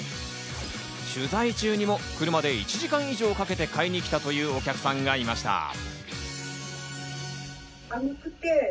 取材中にも車で１時間以上かけて買いに来たというお客さんがいました。